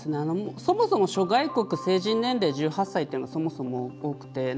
そもそも諸外国成人年齢、１８歳というのはそもそも多くて。